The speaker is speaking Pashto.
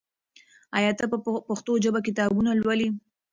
آیا ته په پښتو ژبه کتابونه لولې؟